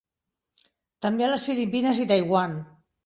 També a les Filipines i Taiwan.